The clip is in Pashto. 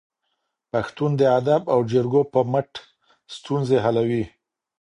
پښتون د ادب او جرګو په مټ ستونزې حلوي.